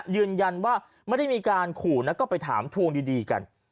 ยืนยันว่าไม่ได้มีการขู่แล้วก็ไปถามทวงดีกัน